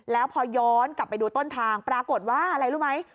แล้วพอย้อนกลับไปดูต้นทางปรากฏว่าอะไรรู้ไหม